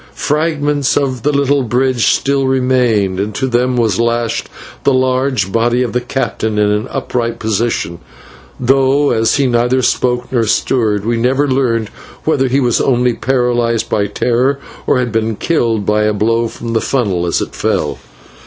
Fragments of the little bridge still remained, and to them was lashed the large body of the captain in an upright position, though, as he neither spoke nor stirred, we never learned whether he was only paralysed by terror, or had been killed by a blow from the funnel as it fell.